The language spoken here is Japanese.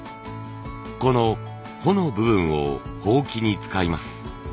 この穂の部分を箒に使います。